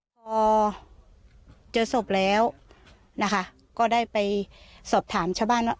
พอเจอศพแล้วนะคะก็ได้ไปสอบถามชาวบ้านว่า